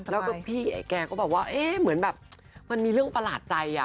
แล้วก็พี่ไอ้แกก็บอกว่าเอ๊ะเหมือนแบบมันมีเรื่องประหลาดใจ